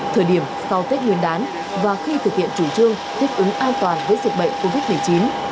thời điểm sau tết nguyên đán và khi thực hiện chủ trương thích ứng an toàn với dịch bệnh covid một mươi chín